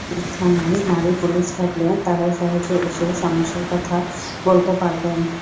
থানায় নারী পুলিশ থাকলে তাঁরা সহজে এসে সমস্যার কথা বলতে পারবেন।